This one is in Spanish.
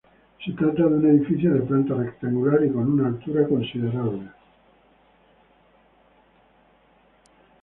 Se trata de un edificio de planta rectangular y con una altura considerable.